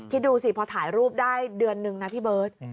คิดดูสิพอถ่ายรูปได้เดือนนึงนะพี่เบิร์ต